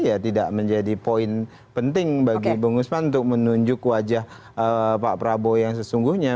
ya tidak menjadi poin penting bagi bung usman untuk menunjuk wajah pak prabowo yang sesungguhnya